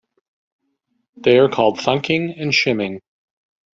They are called thunking and shimming.